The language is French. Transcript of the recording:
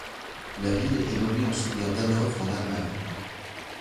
La ville est nommee en souvenir d'Hanovre en Allemagne.